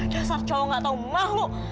dasar cowok gak tau mahu